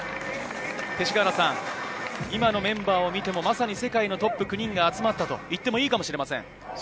勅使川原さん、今のメンバーを見ても世界のトップ９人が集まったといってもいいかもしれません。